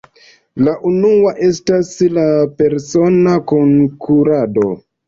La unua estas la persona konkurado.